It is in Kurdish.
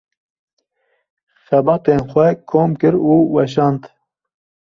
Xebatên xwe kom kir û weşand.